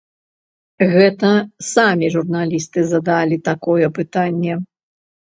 Гэта самі журналісты задалі такое пытанне!